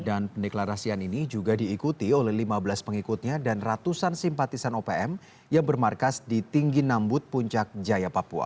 dan pendeklarasian ini juga diikuti oleh lima belas pengikutnya dan ratusan simpatisan opm yang bermarkas di tinggi nambut puncak jaya papua